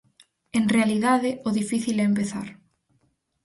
"En realidade, o difícil é empezar."